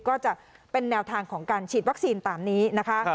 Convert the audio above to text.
ก็จะเป็นแนวทางของการฉีดวัคซีนตามนี้นะคะ